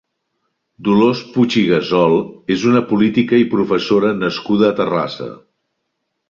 Dolors Puig i Gasol és una poítica i professora nascuda a Terrassa.